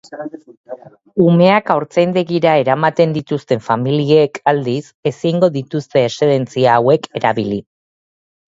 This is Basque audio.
Umeak haurtzaindegira eramaten dituzten familiek, aldiz, ezingo dituzte eszedentzia hauek erabili.